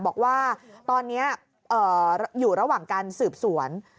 บอกว่าตอนนี้อยู่ระหว่างการสืบสวน